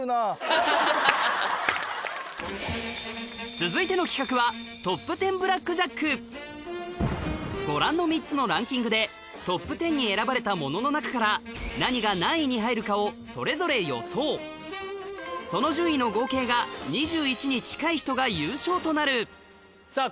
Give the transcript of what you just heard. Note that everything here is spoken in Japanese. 続いての企画はご覧の３つのランキングでトップ１０に選ばれたものの中からその順位の合計が２１に近い人が優勝となるさぁ